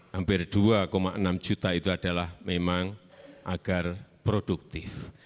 hampir dua enam juta itu adalah memang agar produktif